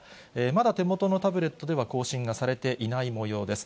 まだ手元のタブレットでは、更新がされていないもようです。